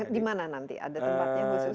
di mana nanti ada tempatnya khusus